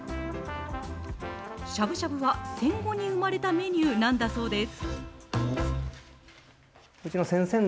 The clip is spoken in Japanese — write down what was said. しゃぶしゃぶは、戦後に生まれたメニューなんだそうです。